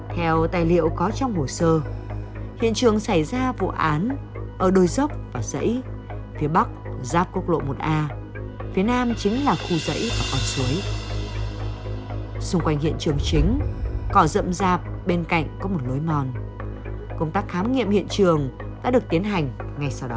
theo tài liệu có trong hồ sơ hiện trường xảy ra vụ án ở đôi dốc và dãy phía bắc giáp quốc lộ một a phía nam chính là khu dãy và con suối xung quanh hiện trường chính có rậm rạp bên cạnh có một lối mòn công tác khám nghiệm hiện trường đã được tiến hành ngay sau đó